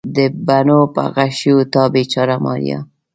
د بڼو په غشیو تا بیچاره ماریا